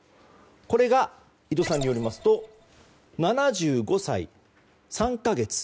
これが、井戸さんによりますと７５歳３か月。